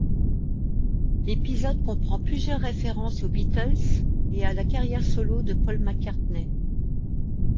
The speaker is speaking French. L'épisode comprend plusieurs références aux Beatles et à la carrière solo de Paul McCartney.